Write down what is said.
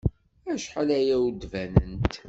Acḥal aya ur d-banent.